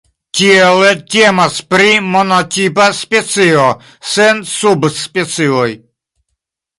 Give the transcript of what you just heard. Tiele temas pri monotipa specio, sen subspecioj.